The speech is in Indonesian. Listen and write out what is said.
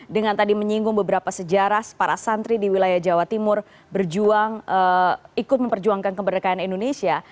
dengan tadi menyinggung beberapa sejarah para santri di wilayah jawa timur berjuang ikut memperjuangkan kemerdekaan indonesia